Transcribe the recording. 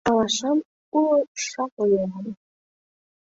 Алашам уло шагыл йолан.